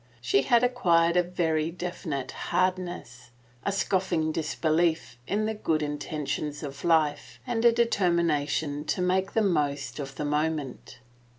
She had acquired a very definite hardiness, a scoffing disbelief in the good inten tions of life and a determination to make the most of the moment.